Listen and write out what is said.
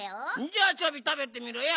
じゃあチョビたべてみろよ！